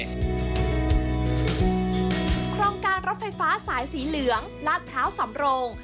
โครงการรถไฟฟ้าสายสีเหลืองลาดพร้าวสำโรง